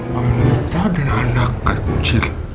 wanita dan anak kecil